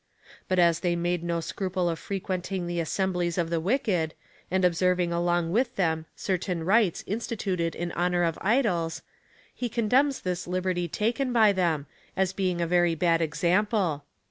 But as they made no scruple of frequenting the assemblies of the wicked, and observing along with them certain rites instituted in honour of idols, he condemns this liberty taken by them, as being a very bad example.